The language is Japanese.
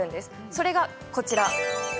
それがこちらです。